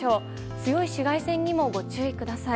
強い紫外線にもご注意ください。